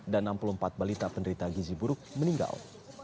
dan enam puluh empat balita penderita gizi buruk meninggal